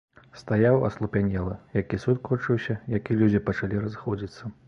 Стаяў, аслупянелы, як і суд кончыўся, як і людзі пачалі разыходзіцца.